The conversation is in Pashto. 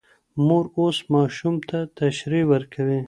مور اوس ماشوم ته تشریح ورکوي.